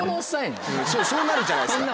そうなるじゃないですか。